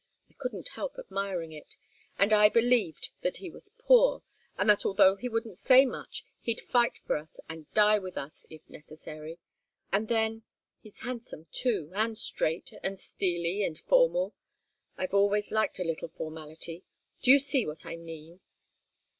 I couldn't help admiring it. And I believed that he was poor, and that although he wouldn't say much, he'd fight for us, and die for us, if necessary. And then he's handsome, too, and straight, and steely, and formal. I've always liked a little formality. Do you see what I mean?"